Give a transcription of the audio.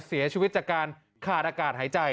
เสียชีวิตจากการขาดอากาศหายใจ